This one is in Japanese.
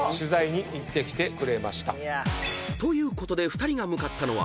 ［ということで２人が向かったのは］